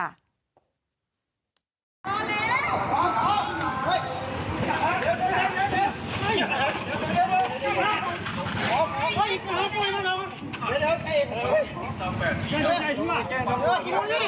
ไอ้บี